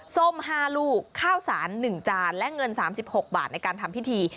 ส้ม๕ลูกข้าวสาร๑จานและเงิน๓๖บาทในการทำพิธี